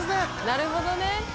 なるほどね！